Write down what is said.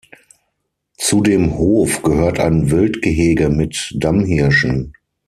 Zu dem Hof gehört ein Wildgehege mit Damhirschen.